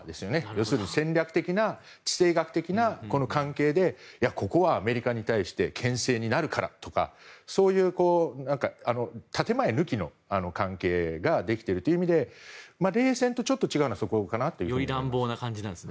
要するに戦略的な、地政学的な関係でここはアメリカに対して牽制になるからとかそういう建前抜きの関係ができているという意味で冷戦とちょっと違うのはそこかなと。